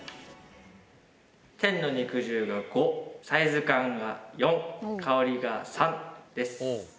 「天の肉汁」が５「サイズ感」が４「香り」が３です。